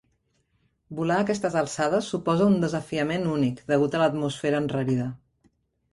Volar a aquestes alçades suposa un desafiament únic, degut a l'atmosfera enrarida.